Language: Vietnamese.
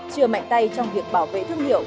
chừa mạnh tay trong việc bảo vệ thương hiệu